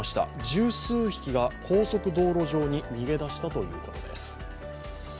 十数匹が高速道路上に逃げ出したということです。